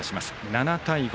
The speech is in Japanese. ７対５。